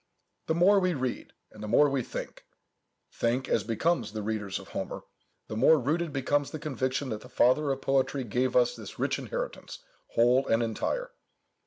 The more we read, and the more we think—think as becomes the readers of Homer,—the more rooted becomes the conviction that the Father of Poetry gave us this rich inheritance, whole and entire.